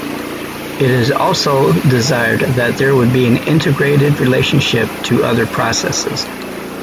It is also desired that there would be an integrated relationship to other processes.